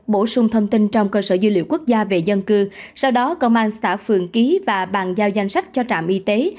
bổ sung thông tin trong cơ sở dữ liệu quốc gia về dân cư sau đó công an xã phường ký và bàn giao danh sách cho trạm y tế